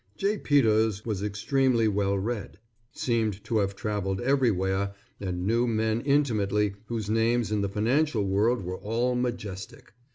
J. Peters was extremely well read, seemed to have traveled everywhere, and knew men intimately whose names in the financial world were all majestic.